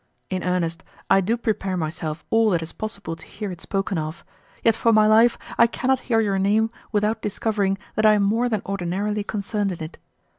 In earnest, I do prepare myself all that is possible to hear it spoken of, yet for my life I cannot hear your name without discovering that I am more than ordinarily concerned in't.